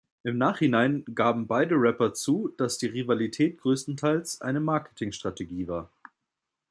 Im Nachhinein gaben beide Rapper zu, dass die Rivalität größtenteils eine Marketingstrategie war.